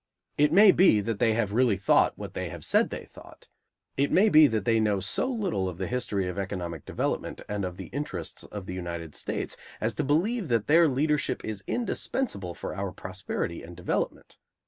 It may be that they have really thought what they have said they thought; it may be that they know so little of the history of economic development and of the interests of the United States as to believe that their leadership is indispensable for our prosperity and development.